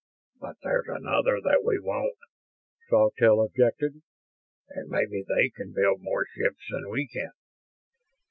"But there's another that we won't," Sawtelle objected. "And maybe they can build more ships than we can."